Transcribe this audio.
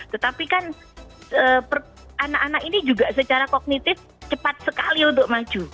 tetapi kan anak anak ini juga secara kognitif cepat sekali untuk maju